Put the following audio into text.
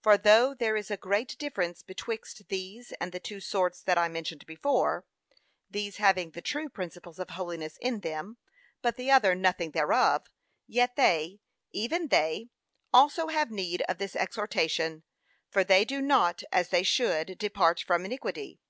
For though there is a great difference betwixt these and the two sorts that I mentioned before, these having the true principles of holiness in them, but the other nothing thereof, yet they, even they, also have need of this exhortation; for they do not, as they should, 'depart from iniquity.'